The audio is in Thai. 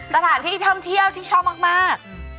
สถานที่ท่องเที่ยวที่ชอบมาก